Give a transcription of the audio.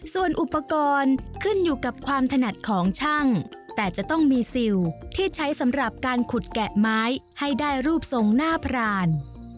ส่วนอุปกรณ์ขึ้นอยู่กับความถนัดของช่างแต่จะต้องมีซิลที่ใช้สำหรับการขุดแกะไม้ให้ได้รูปทรงหน้าพราน